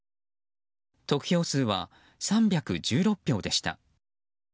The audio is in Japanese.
得票数は３１６票でした。